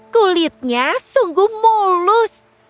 kulitnya sungguh mulus